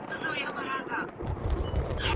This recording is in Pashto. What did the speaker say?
ایا ته د کوم ادبي چینل اورېدونکی یې؟